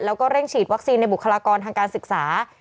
แล้วก็เร่งฉีดวัคซีนในบุคลากรทางการศึกษา